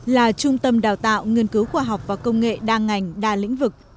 là trung tâm đào tạo nghiên cứu khoa học và công nghệ đa ngành đa lĩnh vực